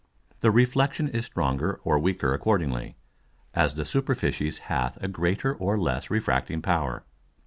the Reflexion is stronger or weaker accordingly, as the Superficies hath a greater or less refracting Power.